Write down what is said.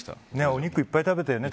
お肉いっぱい食べたよね